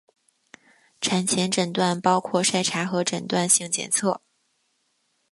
产前诊断包括筛查和诊断性检测。